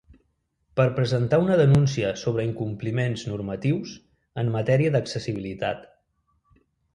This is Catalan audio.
Per presentar una denúncia sobre incompliments normatius en matèria d'accessibilitat.